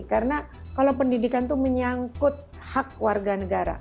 karena kalau pendidikan itu menyangkut hak warga negara